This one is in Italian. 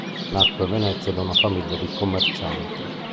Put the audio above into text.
Nacque a Venezia, da una famiglia di commercianti.